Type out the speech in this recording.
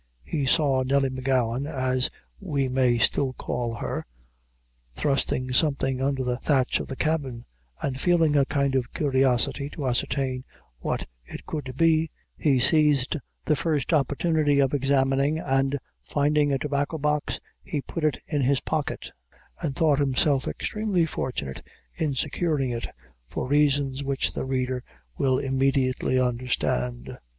He saw Nelly M'Gowan, as we may still call her, thrusting something under the thatch of the cabin, and feeling a kind of curiosity to ascertain what it could be, he seized the first opportunity of examining, and finding a tobacco box, he put it in his pocket, and thought himself extremely fortunate in securing it, for reasons which the reader will immediately understand.